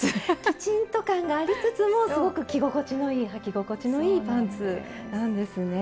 きちんと感がありつつもすごく着心地のいいはき心地のいいパンツなんですね。